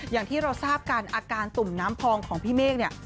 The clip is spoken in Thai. อย่างที่เราทราบกันอาการตุ่มน้ำพองของพี่เมฆเนี่ย